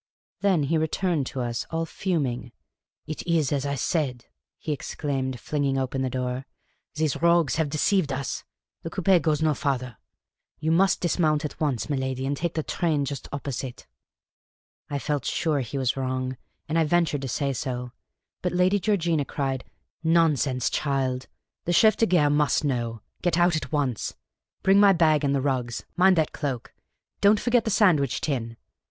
Then he returned to us, all fuming. " It is as I said," he exclaimed, flinging open the door. '' These rogues have deceived us. The coupe goes no farther. You must dismount at once, miladi, and take the train just opposite." I felt sure he was wrong, and I ventured to say so. But Lady Georgina cried, " Nonsense, child ! The chef de garc must know. Get out at once ! Bring my bag and the rugs ! Mind that cloak ! Don't forget the sandwich tin !